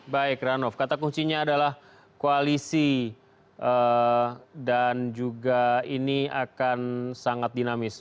baik ranof kata kuncinya adalah koalisi dan juga ini akan sangat dinamis